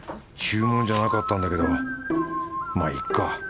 注文じゃなかったんだけどまぁいっか